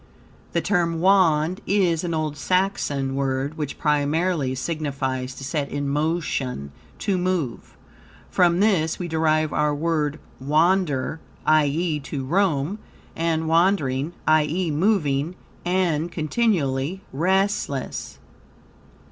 The term Wand is an old Saxon word, which primarily signifies to set in motion, to move. From this we derive our word wander, i.e., to roam, and wandering, i.e., moving and continually restless.